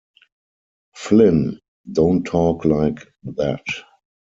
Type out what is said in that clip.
Flynn, don't talk like that.